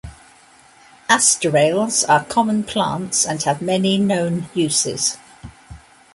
Asterales are common plants and have many known uses.